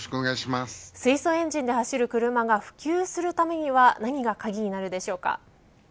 水素エンジンで走る車が普及するためには何が鍵になりますか。